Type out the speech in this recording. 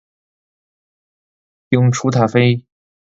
永雏塔菲